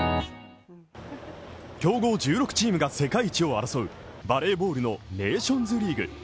強豪１６チームが世界一を争うバレーボールのネーションズリーグ。